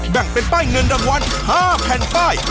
และเป็นป้ายเวลาอีก๕แผ่นป้าย